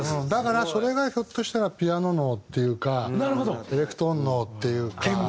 だからそれがひょっとしたらピアノ脳っていうかエレクトーン脳っていうか。